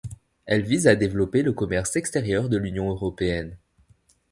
Elle vise à développer le Commerce extérieur de l'Union européenne.